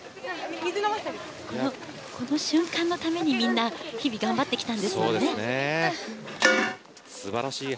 この瞬間のためにみんな日々頑張ってきたんですからね。